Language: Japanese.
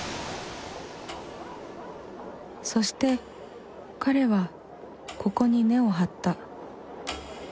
そして彼はここに根を張った。